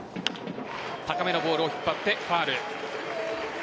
高めのボールを引っ張ってファウル。